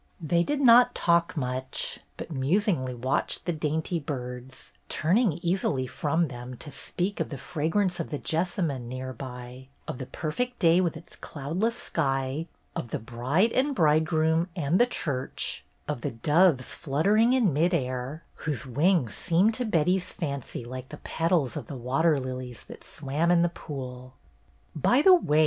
They did not talk much, but musingly watched the dainty birds, turning easily from them to speak of the fragrance of the jessamine near by, of the perfect day with its cloudless sky, of the bride and bridegroom and the church, of the doves fluttering in mid air, whose wings seemed to Betty's fancy like the petals of the water lilies that swam in the pool. '' By the way.